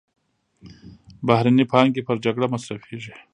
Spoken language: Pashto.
بهرنۍ پانګې پر جګړه مصرفېږي.